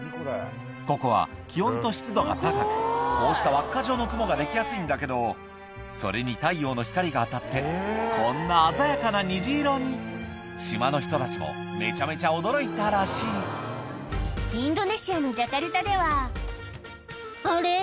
ここは気温と湿度が高くこうした輪っか状の雲ができやすいんだけどそれに太陽の光が当たってこんな鮮やかな虹色に島の人たちもめちゃめちゃ驚いたらしいインドネシアのジャカルタではあれ？